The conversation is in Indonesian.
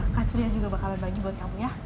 kak celia juga bakalan bagi buat kamu ya